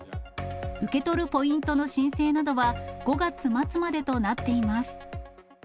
受け取るポイントの申請などは、５月末までとなっています。